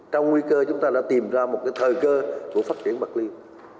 trong nguy cơ chúng ta đã tìm ra một thời cơ của phát triển bạc liêu